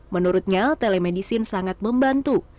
menurutnya telemedisin sangat membantu